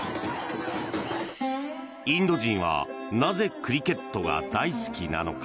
インド人はなぜクリケットが大好きなのか。